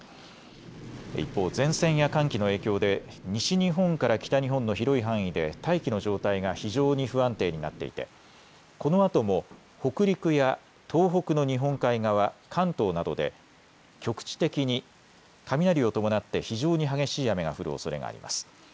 一方、前線や寒気の影響で西日本から北日本の広い範囲で大気の状態が非常に不安定になっていて、このあとも北陸や東北の日本海側、関東などで局地的に雷を伴って非常に激しい雨が降るおそれがあります。